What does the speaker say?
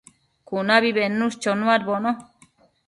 cunabi bednush chonuadbono